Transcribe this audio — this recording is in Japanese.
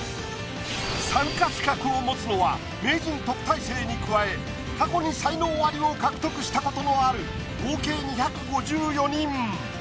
参加資格を持つのは名人・特待生に加え過去に才能アリを獲得したことのある合計２５４人。